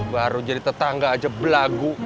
baru jadi tetangga aja belagu